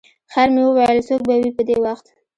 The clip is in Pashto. خیر مې وویل څوک به وي په دې وخت.